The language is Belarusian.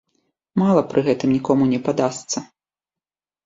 Мала пры гэтым нікому не падасца.